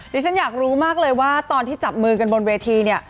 ฉันอยากรู้มากเลยว่าตอนที่จับมือกันบนเวทีเนี่ย